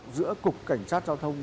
giữa cục cảnh sát giao thông